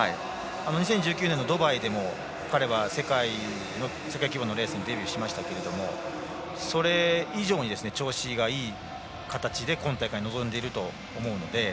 ２０１９年、ドバイで彼は世界規模のレースにデビューしましたがそれ以上に調子がいい形で今大会臨んでいると思うので。